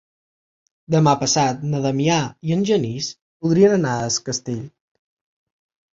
Demà passat na Damià i en Genís voldrien anar a Es Castell.